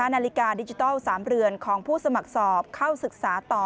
นาฬิกาดิจิทัล๓เรือนของผู้สมัครสอบเข้าศึกษาต่อ